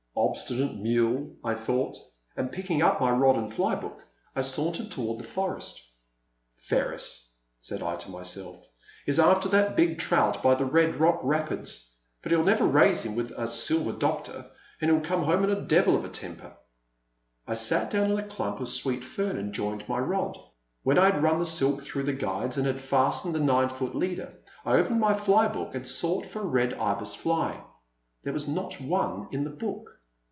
"Obstinate mule," I thought, and, picking up my rod and fly book, I sauntered toward the forest. The Silent Land. 87 "Ferris/* said I to myself, "is after that big trout by the Red Rock Rapids, but he '11 never raise him with a Silver Doctor, and he *11 come home in.a devil of a temper." I sat down in a clump of sweet fern and joined my rod. When I had run the silk through the guides and had fastened the nine foot leader, I opened my fly book and sought for a Red Ibis fly. There was not one in the book.